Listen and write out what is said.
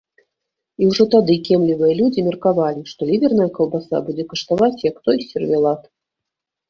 І ўжо тады кемлівыя людзі меркавалі, што ліверная каўбаса будзе каштаваць як той сервелат.